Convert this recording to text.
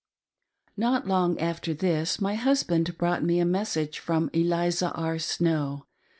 Not long after this, my husband brought me a message from Eliza R. Snow.